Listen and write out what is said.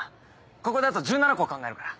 ここであと１７個は考えるから。